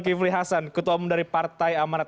kivli hasan ketua umum dari partai amanat